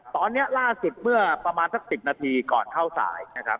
ตอนนี้ล่าสิทธิ์เมื่อประมาณสัก๑๐นาทีก่อนเข้าสาย